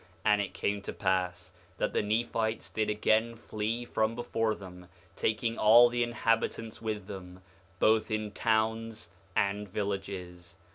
4:22 And it came to pass that the Nephites did again flee from before them, taking all the inhabitants with them, both in towns and villages.